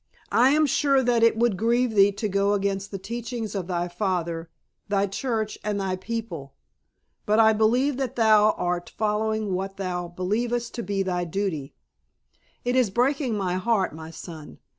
I am sure that it would grieve thee to go against the teachings of thy father, thy church and thy people. But I believe that thou art following what thou believest to be thy duty. It is breaking my heart, my son.